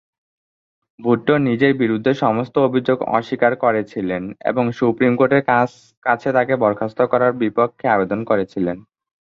ভুট্টো নিজের বিরুদ্ধে সমস্ত অভিযোগ অস্বীকার করেছিলেন এবং সুপ্রীম কোর্টের কাছে তাকে বরখাস্ত করার বিপক্ষে আবেদন করেছিলেন।